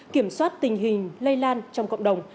kiểm soát tình hình lây lan trong cộng đồng